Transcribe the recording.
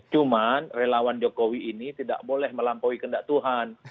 cuman relawan jokowi ini tidak boleh melampaui kendak tuhan